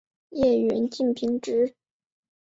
叶缘近平直。